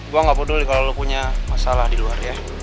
gue gak peduli kalau lo punya masalah di luar ya